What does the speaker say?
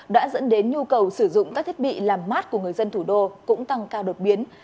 đã dẫn đến nhu cầu sử dụng các thiết bị làm mát của người dân thủ đô cũng tăng cao đột biến